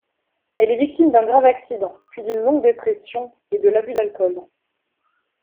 Elle est victime d'un grave accident, puis d'une longue dépression et de l'abus d'alcool.